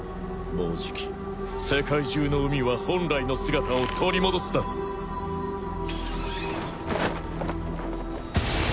もうじき世界中の海は本来の姿を取り戻すだろう。